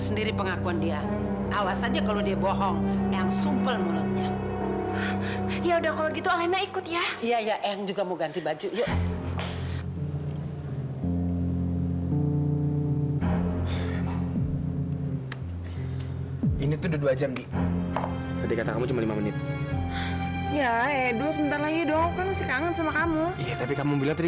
terima kasih bu ambar